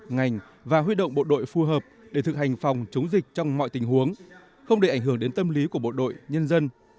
ngành và huy động bộ đội phù hợp để thực hành phòng chống dịch trong mọi tình huống không để ảnh hưởng đến tâm lý của bộ đội nhân dân